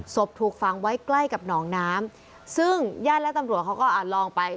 ถูกฝังไว้ใกล้กับหนองน้ำซึ่งญาติและตำรวจเขาก็อ่ะลองไป